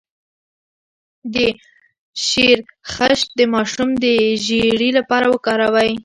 د شیرخشت د ماشوم د ژیړي لپاره وکاروئ